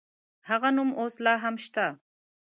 هغه نوم اوس لا هم شته.